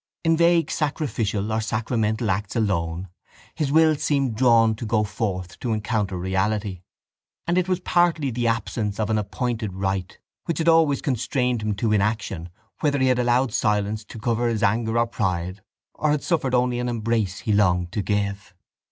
In vague sacrificial or sacramental acts alone his will seemed drawn to go forth to encounter reality; and it was partly the absence of an appointed rite which had always constrained him to inaction whether he had allowed silence to cover his anger or pride or had suffered only an embrace he longed to give.